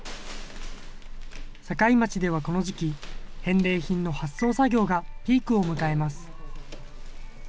境町ではこの時期、返礼品の発送作業がピークを迎えます。